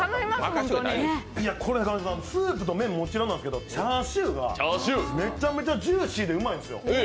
スープと麺はもちろんなんですけど、チャーシューがめちゃめちゃジューシーでうまいんですよ。